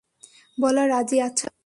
বলো, রাজি আছো?